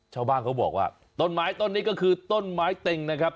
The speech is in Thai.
ชาวบ้านเขาบอกว่าต้นไม้ต้นนี้ก็คือต้นไม้เต็งนะครับ